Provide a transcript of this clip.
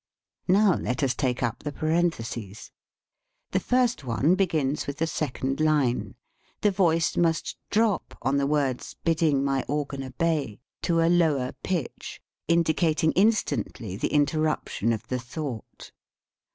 Now let us take up the parentheses. The first one begins with the second line. The voice must drop on the words, "Bidding my organ obey," to a lower pitch, indicating instantly the inter ruption of the thought.